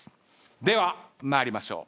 では参りましょう。